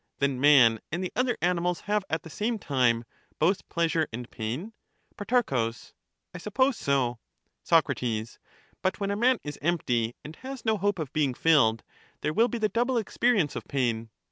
Then man and the other animals have at the same time both pleasure and pain ? Pro. I suppose so. Soc. But when a man is empty and has no hope of being filled, there will be the double experience of pain.